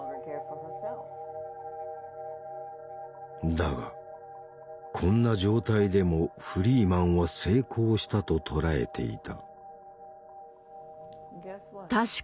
だがこんな状態でもフリーマンは「成功」したと捉えていた。